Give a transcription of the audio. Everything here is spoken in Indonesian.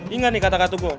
ingat nih kata katuku